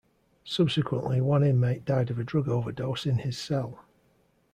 Subsequently, one inmate died of a drug overdose in his cell.